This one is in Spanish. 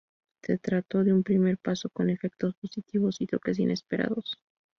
Se trató de un primer paso con efectos positivos y toques inesperados.